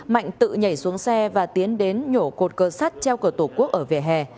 mạnh tự nhảy xuống xe và tiến đến nhổ cột cờ sắt treo cờ tổ quốc ở vỉa hè